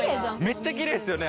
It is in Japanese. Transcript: めっちゃキレイですよね